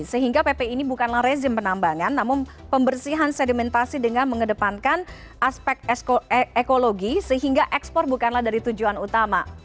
sehingga pp ini bukanlah rezim penambangan namun pembersihan sedimentasi dengan mengedepankan aspek ekologi sehingga ekspor bukanlah dari tujuan utama